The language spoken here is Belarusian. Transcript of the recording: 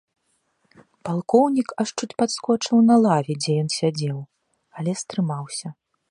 Палкоўнік аж чуць падскочыў на лаве, дзе ён сядзеў, але стрымаўся.